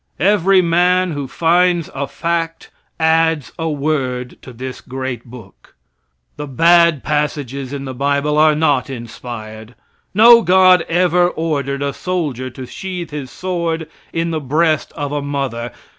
Every man who finds a fact adds a word to this great book. The bad passages in the bible are not inspired. No god ever ordered a soldier to sheathe his sword in the breast of a mother.